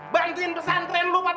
bantuin pesantren lo pak d